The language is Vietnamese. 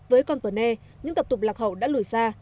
với con tuần e những tập tục lạc hậu đã lủi xa